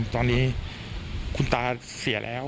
ตอนนี้คุณตาเสียแล้ว